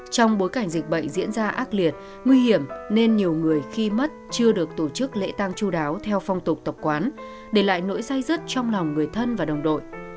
trong bối cảnh dịch bệnh diễn ra ác liệt nguy hiểm nên nhiều người khi mất chưa được tổ chức lễ tang chú đáo theo phong tục tập quán để lại nỗi say rứt trong lòng người thân và đồng đội